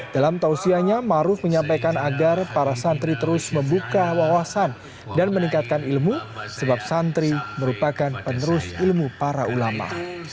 dalam tausiahnya maruf menyampaikan agar para santri terus membuka wawasan dan meningkatkan ilmu sebab santri merupakan penerus ilmu para ulama